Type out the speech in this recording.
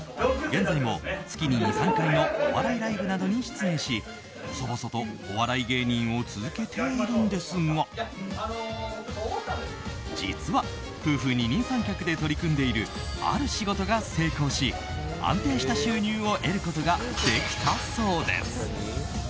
現在も月に２３回のお笑いライブなどに出演し細々とお笑い芸人を続けているんですが実は、夫婦二人三脚で取り組んでいるある仕事が成功し安定した収入を得ることができたそうです。